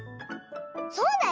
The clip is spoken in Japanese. そうだよ。